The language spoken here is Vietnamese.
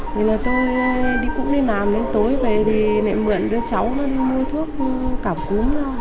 thì là tôi cũng đi làm đến tối về thì mẹ mượn đứa cháu nó đi mua thuốc cảm cúm ra